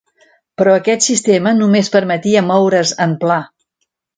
Però aquest sistema només permetia moure's en pla.